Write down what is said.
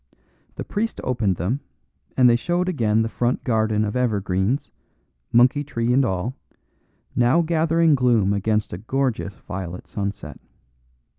The priest opened them, and they showed again the front garden of evergreens, monkey tree and all, now gathering gloom against a gorgeous violet sunset.